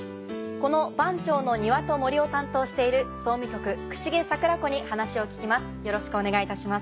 この番町の庭と森を担当している総務局笥桜子に話を聞きます